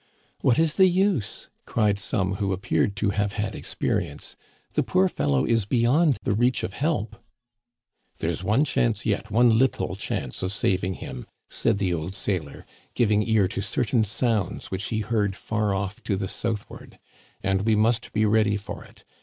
"What is the use?" cried some who appeared to have had experience. The poor fellow is beyond the reach of help." " There's one chance yet, one little chance of saving him," said the old sailor, giving ear to certain sounds which he heard far off to the southward, " and we must be ready for it.